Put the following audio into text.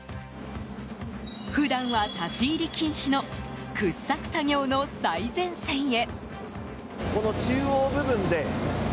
普段は立ち入り禁止の掘削作業の最前線へ。